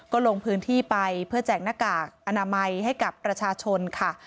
ก็ลงพื้นที่ไปเพื่อแจกหน้ากากอนามัยให้กับประชาชนค่ะ